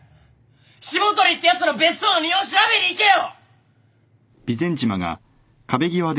霜鳥ってやつの別荘の庭を調べに行けよ！